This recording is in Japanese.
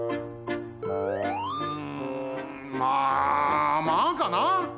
うんまあまあかな？